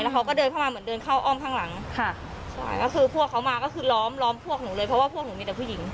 เขาก็เดินเข้ามาเหมือนเดินเข้าอ้อมข้างหลังค่ะใช่ก็คือพวกเขามาก็คือล้อมล้อมพวกหนูเลยเพราะว่าพวกหนูมีแต่ผู้หญิง